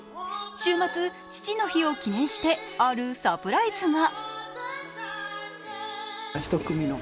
週末、父の日を記念してあるサプライズが。